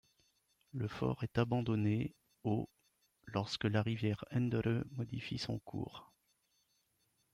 Le fort est abandonné au lorsque la rivière Endere modifie son cours.